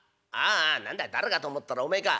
ああ何だい誰かと思ったらおめえか。